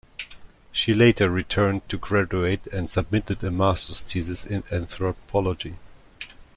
She later returned to graduate and submitted a master's thesis in anthropology.